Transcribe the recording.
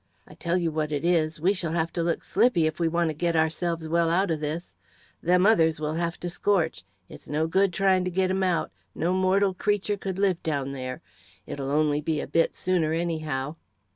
I tell you what it is, we shall have to look slippy if we want to get ourselves well out of this. Them others will have to scorch it's no good trying to get 'em out no mortal creature could live down there it'll only be a bit sooner, anyhow.